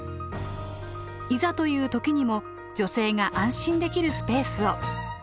いざという時にも女性が安心できるスペースを。